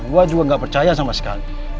gua juga gak percaya sama sekali